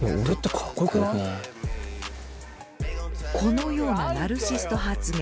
このようなナルシスト発言。